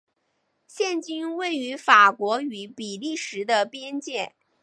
现今位于法国与比利时的边界。